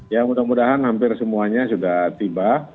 ya mudah mudahan hampir semuanya sudah tiba